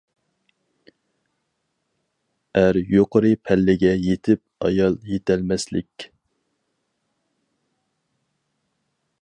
ئەر يۇقىرى پەللىگە يېتىپ ئايال يېتەلمەسلىك.